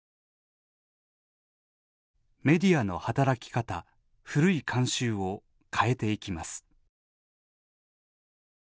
メディアの働き方古い慣習を変えていきます。